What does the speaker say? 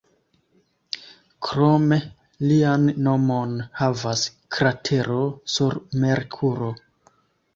Krome, lian nomon havas kratero sur Merkuro.